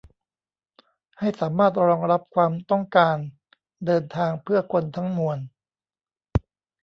ให้สามารถรองรับความต้องการเดินทางเพื่อคนทั้งมวล